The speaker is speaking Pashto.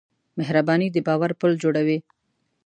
مهرباني د باور پُل جوړوي.